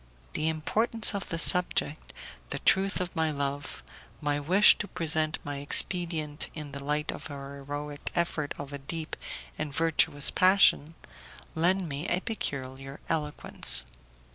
The importance of the subject, the truth of my love, my wish to present my expedient in the light of the heroic effort of a deep and virtuous passion, lend me a peculiar eloquence.